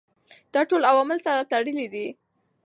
دا ټول عوامل سره تړلي دي.